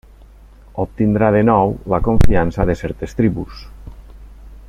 Obtindrà de nou la confiança de certes tribus.